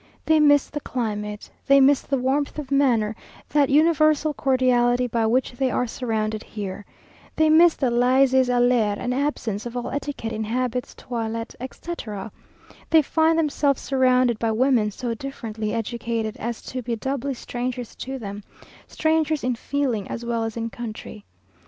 They miss the climate they miss that warmth of manner, that universal cordiality by which they are surrounded here. They miss the laissez aller and absence of all etiquette in habits, toilet, etc. They find themselves surrounded by women so differently educated, as to be doubly strangers to them, strangers in feeling as well as in country.